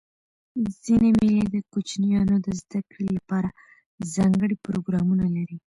ځيني مېلې د کوچنيانو د زدهکړي له پاره ځانګړي پروګرامونه لري.